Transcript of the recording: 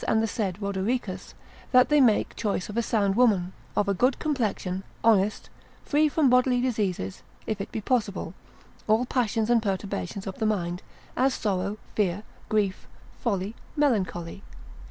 and the said Rodericus, that they make choice of a sound woman, of a good complexion, honest, free from bodily diseases, if it be possible, all passions and perturbations of the mind, as sorrow, fear, grief, folly, melancholy.